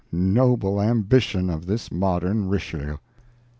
noble ambition of this modern Richelieu!